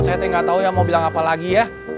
saya gak tau yang mau bilang apa lagi ya